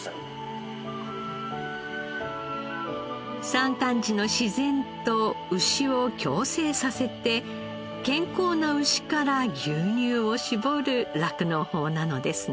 山間地の自然と牛を共生させて健康な牛から牛乳を搾る酪農法なのですね。